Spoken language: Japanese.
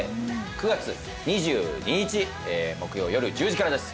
９月２２日木曜夜１０時からです。